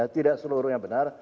tidak seluruhnya benar